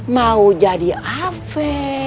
mau jadi afek